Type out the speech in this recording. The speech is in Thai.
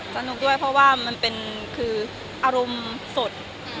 สนุกด้วยเพราะว่ามันเป็นคืออารมณ์สด